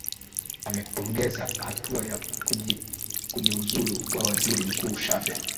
amepongeza hatua ya kujiuzulu kwa waziri mkuu shafe